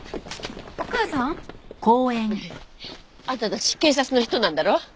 お母さん？あんたたち警察の人なんだろ？